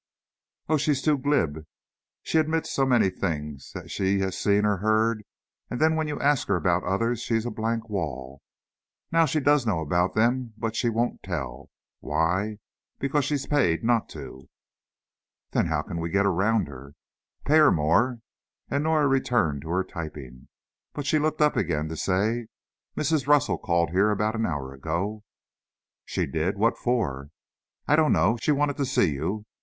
"Oh, she's too glib. She admits so many things that she has seen or heard and then when you ask her about others, she is a blank wall. Now, she does know about them, but she won't tell. Why? Because she's paid not to." "Then how can we get around her?" "Pay her more." And Norah returned to her typing. But she looked up again to say: "Mrs. Russell called here about an hour ago." "She did! What for?" "I don't know. She wanted to see you.